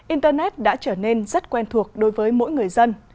internet đã trở nên rất quen thuộc đối với mỗi người dân